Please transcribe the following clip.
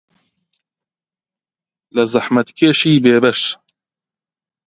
لە زەحمەتکێشی بێبەش